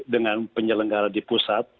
dengan penyelenggara di pusat